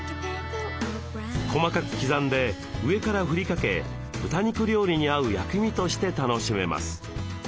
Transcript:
細かく刻んで上から振りかけ豚肉料理に合う薬味として楽しめます。